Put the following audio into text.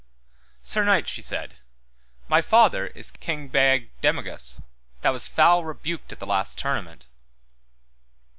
Sir knight, she said, my father is King Bagdemagus, that was foul rebuked at the last tournament.